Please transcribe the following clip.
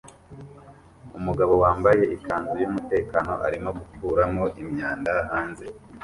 Umugabo wambaye ikanzu yumutekano arimo gukuramo imyanda hanze